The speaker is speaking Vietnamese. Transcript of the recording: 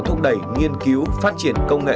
thúc đẩy nghiên cứu phát triển công nghệ